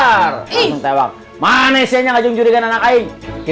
langsung tewak manesianya gak jauh menjurikan anak lain